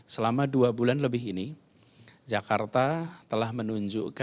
selama dua bulan lebih ini jakarta telah menunjukkan